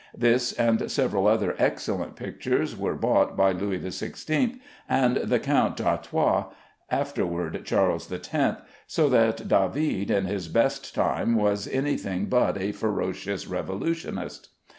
This and several other excellent pictures were bought by Louis XVI, and the Count d'Artois, afterward Charles X, so that David in his best time was any thing but a ferocious revolutionist.